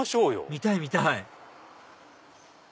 見たい見たい！